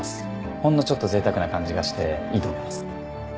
ほんのちょっと贅沢な感じがしていいと思います